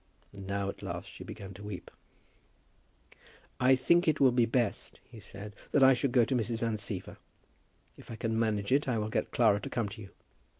And now, at last, she began to weep. "I think it will be best," he said, "that I should go to Mrs. Van Siever. If I can manage it I will get Clara to come to you."